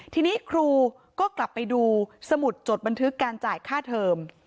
ทีนี้ครูก็กลับไปดูสมุดจดบันทึกการจ่ายค่าเทอม